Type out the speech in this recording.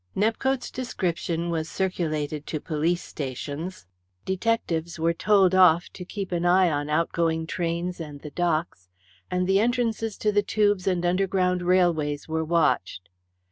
Nepcote's description was circulated to police stations, detectives were told off to keep an eye on outgoing trains and the docks, and the entrances to the tubes and underground railways were watched.